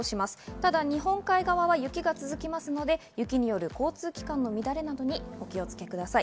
ただ日本海側は雪が続きますので、雪による交通機関の乱れなどに、お気をつけください。